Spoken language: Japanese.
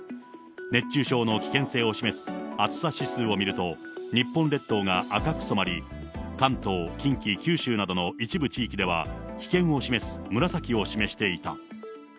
熱中症の危険性を示す暑さ指数を見ると、日本列島が赤く染まり、関東、近畿、九州などの一部地域では、危険を示す紫を示していた。